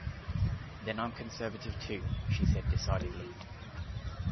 “Then I’m Conservative too,” she said decidedly.